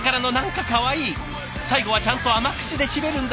最後はちゃんと甘口で締めるんだ。